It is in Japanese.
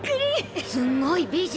すんごい美人！